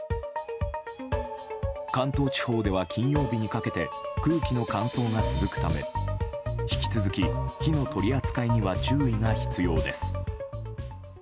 関東地方では金曜日にかけて空気の乾燥が続くため引き続き火の取り扱いには注意が必要です。